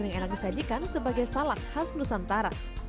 yang enak disajikan sebagai salak khas nusantara